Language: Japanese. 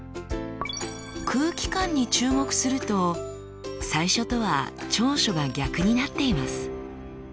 空気感に注目すると最初とは長所が逆になっています。